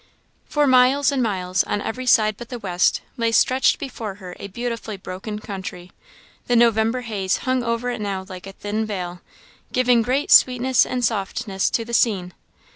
For miles and miles, on every side but the west, lay stretched before her a beautifully broken country. The November haze hung over it now like a thin veil, giving great sweetness and softness to the scene.